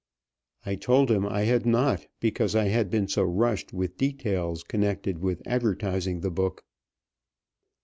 I told him I had not, because I had been so rushed with details connected with advertising the book.